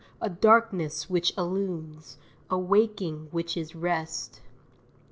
a darkness which illumes: A waking which is rest."